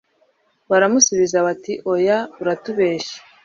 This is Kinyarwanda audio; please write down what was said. Baramusubiza bati Oya uratubeshya